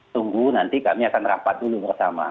tunggu nanti kami akan rapat dulu bersama